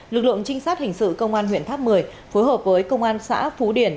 lực lượng trinh sát hình sự công an huyện tháp mười phối hợp với công an xã phú điển